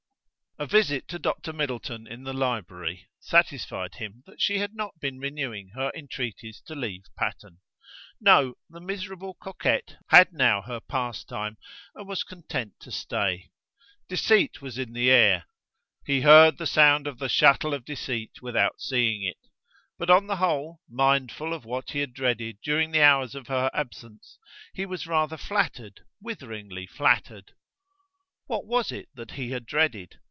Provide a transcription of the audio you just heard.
A visit to Dr. Middleton in the library satisfied him that she had not been renewing her entreaties to leave Patterne. No, the miserable coquette had now her pastime, and was content to stay. Deceit was in the air: he heard the sound of the shuttle of deceit without seeing it; but, on the whole, mindful of what he had dreaded during the hours of her absence, he was rather flattered, witheringly flattered. What was it that he had dreaded?